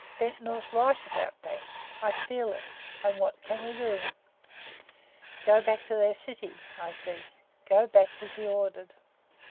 "Ventnor's right about that I feel it. And what can we do?" "Go back to their city," I said. "Go back as he ordered.